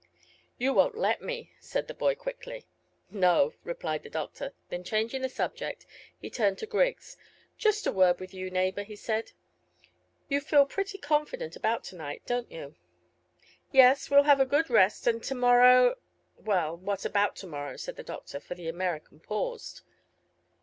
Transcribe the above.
"You won't let me," said the boy quickly. "No," replied the doctor. Then changing the subject, he turned to Griggs. "Just a word with you, neighbour," he said. "You feel pretty confident about to night, don't you?" "Yes; we'll have a good rest, and to morrow " "Well, what about to morrow?" said the doctor, for the American paused.